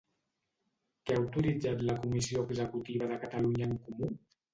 Què ha autoritzat la Comissió Executiva de Catalunya en Comú?